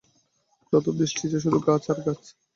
যত দূর দৃষ্টি যায় শুধু গাছ আর গাছ।